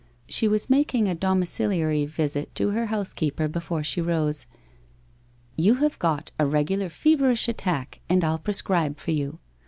She was making a domiciliary visit to her housekeeper before she rose. * You have got a reg ular feverish attack, and I'll prescribe for you.